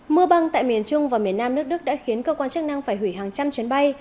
mưa băng tại miền trung và miền nam nước đức đã khiến cơ quan chức năng phải hủy hàng trăm chuyến bay